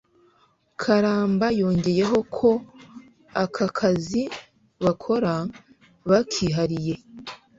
karamba yongeyeho ko aka kazi bakora bakihariye